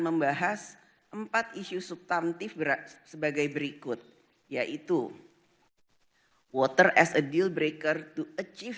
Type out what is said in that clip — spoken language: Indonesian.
membahas empat isu subtantif berat sebagai berikut yaitu water as a deal breaker to achieve